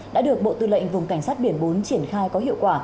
đã được bộ tư lệnh vùng cảnh sát biển bốn triển khai có hiệu quả